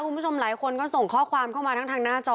คุณผู้ชมหลายคนก็ส่งข้อความเข้ามาทั้งทางหน้าจอ